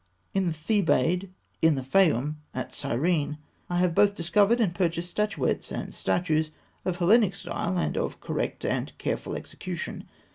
In the Thebaid, in the Fayûm, at Syene, I have both discovered and purchased statuettes and statues of Hellenic style, and of correct and careful execution.